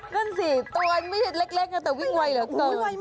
นั่นสิตัวไม่ได้เล็กไม่แต่วิ่งวัยหรอก